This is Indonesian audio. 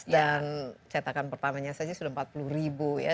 dan cetakan pertamanya saja sudah empat puluh ribu ya